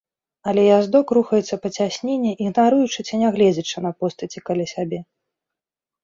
Але яздок рухаецца па цясніне ігнаруючы ці не гледзячы на постаці каля сябе.